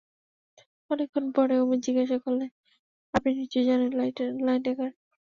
অনেকক্ষণ পরে অমিত জিজ্ঞাসা করলে, আপনি নিশ্চয় জানেন লাইনটা কার।